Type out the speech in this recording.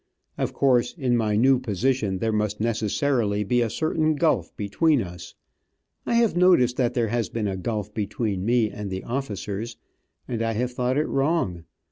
Of course, in my new position there must necessarily be a certain gulf between us. I have noticed that there has been a gulf between me and the officers, and I have thought it wrong.